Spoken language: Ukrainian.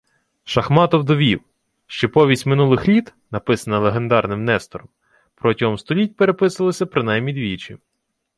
Шахматов довів, що «Повість минулих літ», написана легендарним Нестором, протягом століть переписувалася принаймні двічі